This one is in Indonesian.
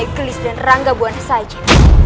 iglis dan ranggabwana saja